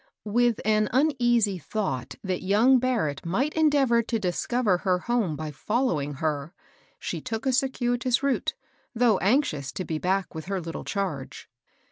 With an un easy thought that young Barrett might endeavor to discover her home by following her, she took a circuitous route, though anxious to be back with her little charge.